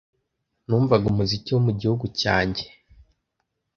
Numvaga umuziki wo mu gihugu cyanjye